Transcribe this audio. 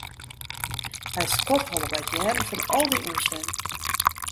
Hy skodholle by it hearren fan al dy ûnsin.